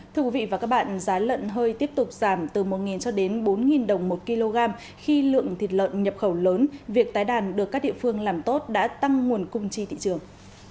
thưa quý vị và các bạn giá lợn hơi tiếp tục giảm từ một cho đến bốn đồng một kg khi lượng thịt lợn nhập khẩu lớn việc tái đàn được các địa phương làm tốt đã tăng nguồn cung tri thị trường